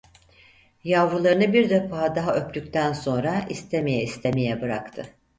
Yavrularını bir defa daha öptükten sonra istemeye istemeye bıraktı.